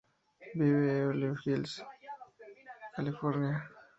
Vive en Beverly Hills, California.